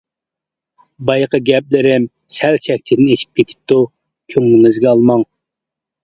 -بايىقى گەپلىرىم سەل چەكتىن ئېشىپ كېتىپتۇ. كۆڭلىڭىزگە ئالماڭ.